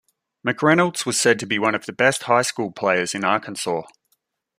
McReynolds was said to be one of the best high school players in Arkansas.